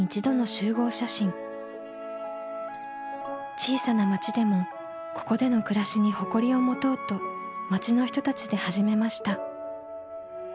小さな町でもここでの暮らしに誇りを持とうと町の人たちで始めました。